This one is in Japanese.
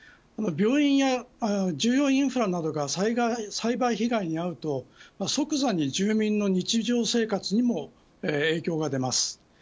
病院や重要インフラなどがサイバー被害に遭うと即座に住民の日常生活にも影響が出ます。